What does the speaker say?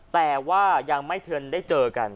แต่ว่ายังไม่ทันได้เจอกัน